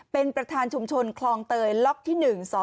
เป็นประธานชุมชนคลองเตยล็อกที่๑๒